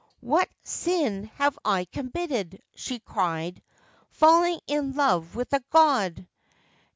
' What sin have I committed/ she cried, ' falling in love with a god